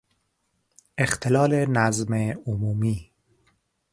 اختلال نظم عمومی